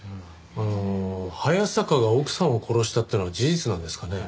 あの早坂が奥さんを殺したっていうのは事実なんですかね？